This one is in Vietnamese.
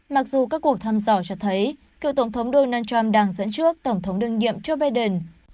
mặc dù các cuộc thăm dò cho thấy cựu tổng thống donald trump đang dẫn trước tổng thống đương nhiệm joe biden